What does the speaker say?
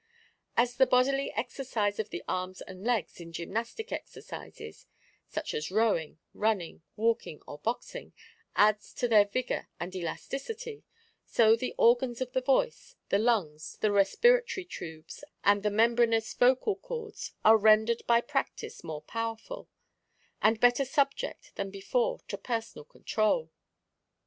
As the bodily exercise of the arms and legs in gymnastic exercises, such as rowing, running, walking or boxing, adds to their vigor and elas ticity, so the organs of the voice, the lungs, the respiratory tubes, and the membranous vocal cords, are rendered by practice more powerful, and better subject than before to personal control.